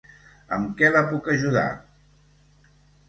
Amb què la puc ajudar?